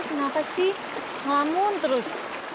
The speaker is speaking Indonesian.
nath kenapa sih ngamun terus